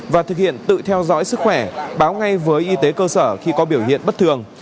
và thực hiện tự theo dõi sức khỏe báo ngay với y tế cơ sở khi có biểu hiện bất thường